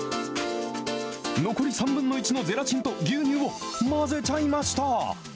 残り３分の１のゼラチンと牛乳を混ぜちゃいました。